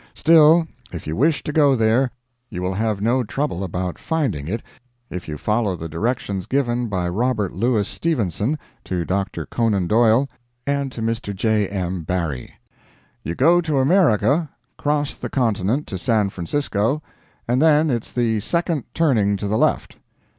Still, if you wish to go there, you will have no trouble about finding it if you follow the directions given by Robert Louis Stevenson to Dr. Conan Doyle and to Mr. J. M. Barrie. "You go to America, cross the continent to San Francisco, and then it's the second turning to the left."